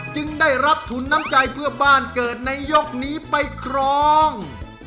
ได้รับทุนน้ำใจเพื่อบ้านเกิดในยกนี้ไปครอง